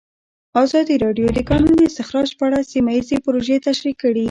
ازادي راډیو د د کانونو استخراج په اړه سیمه ییزې پروژې تشریح کړې.